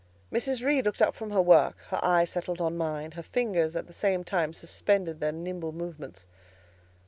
Mrs. Reed looked up from her work; her eye settled on mine, her fingers at the same time suspended their nimble movements.